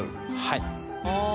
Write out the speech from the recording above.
はい。